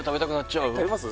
食べます？